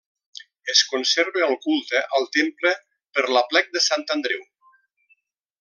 Es conserva el culte al temple per l'aplec de Sant Andreu.